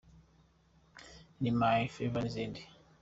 in my favour’ n’izindi.